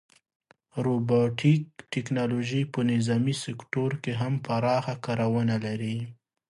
روبوټیک ټیکنالوژي په نظامي سکتور کې هم پراخه کارونه لري.